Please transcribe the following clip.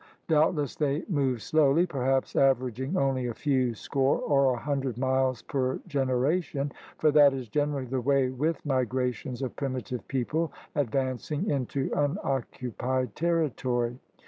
Doubtless they moved slowly, perhaps averaging only a few score or a hundred miles per generation, for that is generally the way with migrations of primitive people advancing into unoccupied terri tory.